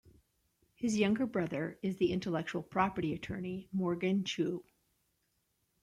His other younger brother is the intellectual property attorney Morgan Chu.